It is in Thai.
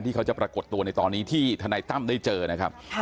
เขาจะปรากฏตัวในตอนนี้ที่ทนายตั้มได้เจอนะครับ